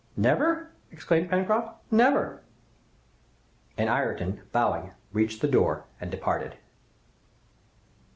"Never?" exclaimed Pencroft. "Never!" And Ayrton, bowing, reached the door and departed.